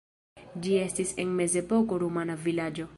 Ĝi estis en la mezepoko rumana vilaĝo.